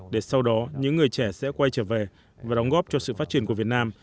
để sau đó những người trẻ sẽ quay trở về và đóng góp cho sự phát triển của việt nam